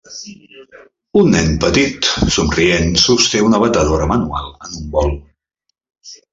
Un nen petit somrient sosté una batedora manual en un bol.